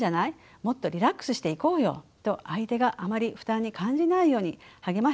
もっとリラックスしていこうよ」と相手があまり負担に感じないように励ましているようにも聞こえます。